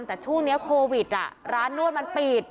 แต่ช่วงนี้โควิดร้านนวดมันปิด